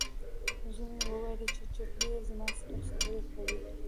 زوی مې وویلې، چې چپلۍ یې زما سره خبرې کوي.